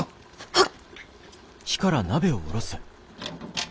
はっ！